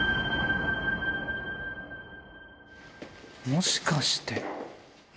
もしかして。